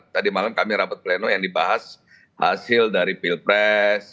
tadi malam kami rapat pleno yang dibahas hasil dari pilpres